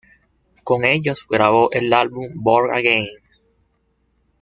Con ellos grabó el álbum "Born Again".